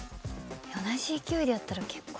同じ勢いでやったら結構。